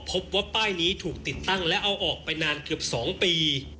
พบว่าป้ายนี้ถูกติดตั้งและเอาออกไปนานเกือบ๒ปี